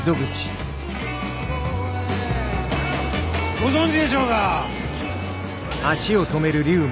ご存じでしょうか？